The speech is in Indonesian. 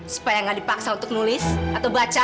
supaya nggak dipaksa untuk nulis atau baca